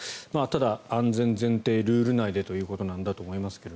ただ、安全前提、ルール内でということなんだと思いますが。